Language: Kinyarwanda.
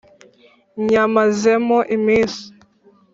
nyamazemo iminsi!